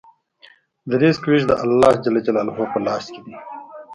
د رزق وېش د الله په لاس کې دی.